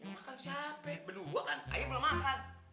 makan siapa ya berdua kan ayo mula makan